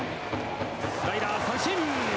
スライダー三振。